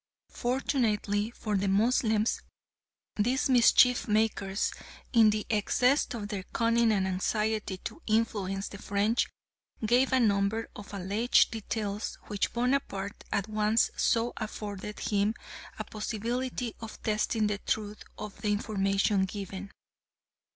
Fortunately for the Moslems these mischief makers, in the excess of their cunning and anxiety to influence the French, gave a number of alleged details which Bonaparte at once saw afforded him a possibility of testing the truth of the information given.